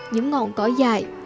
những ngọn cỏ dại